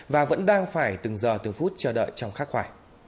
và vẫn đang phải từng giờ từng phút chờ đợi trong khắc khoải